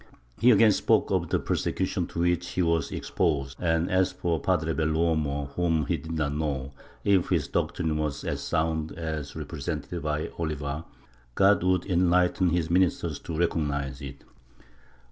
He again spoke of the persecution to which he was exposed and, as for Padre Bell' Uomo, whom he did not know, if his doctrine was as sound as represented by Oliva, God would enlighten his ministers to recognize it.